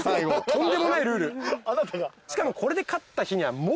とんでもないルール。